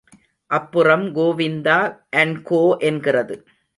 அப்புறம் Govinda and co என்கிறது.